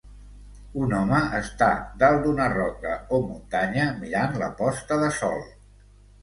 Un home està dalt d'una roca o muntanya mirant la posta de sol.